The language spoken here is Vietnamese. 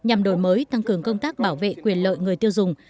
nhằm đổi mới tăng cường công tác bảo vệ quyền lợi người tiêu dùng